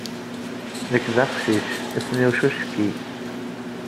Nekk d aqcic, isem-iw Chucky.